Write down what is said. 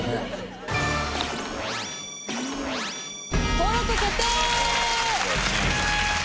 登録決定！